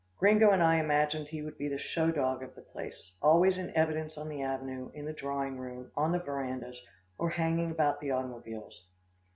Gringo and I imagined he would be the show dog of the place always in evidence on the avenue, in the drawing room, on the verandas, or hanging about the automobiles.